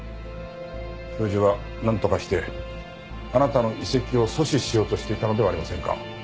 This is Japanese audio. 教授はなんとかしてあなたの移籍を阻止しようとしていたのではありませんか？